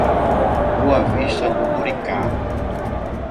Boa Vista do Buricá